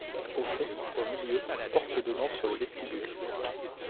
Au fond, au milieu, porte donnant sur le vestibule.